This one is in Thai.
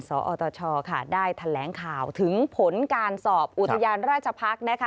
สอตชได้แถลงข่าวถึงผลการสอบอุทยานราชพักษ์นะคะ